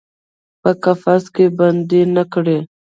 په قفس کې بندۍ نه کړي